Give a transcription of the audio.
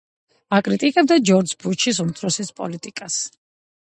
აკრიტიკებდა ჯორჯ ბუში უმცროსის პოლიტიკას.